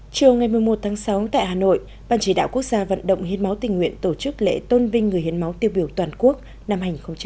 chiều ngày một mươi một tháng sáu tại hà nội ban chỉ đạo quốc gia vận động hiến máu tình nguyện tổ chức lễ tôn vinh người hiến máu tiêu biểu toàn quốc năm hai nghìn một mươi chín